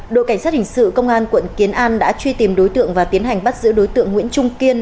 đội cảnh sát hình sự công an quận kiến an đã truy tìm đối tượng và tiến hành bắt giữ đối tượng nguyễn trung kiên